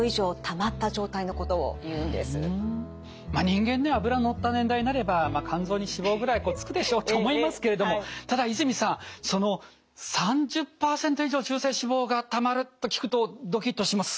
まあ人間ね脂乗った年代になれば肝臓に脂肪ぐらいつくでしょうと思いますけれどもただ泉さんその３０％以上中性脂肪がたまると聞くとドキッとします。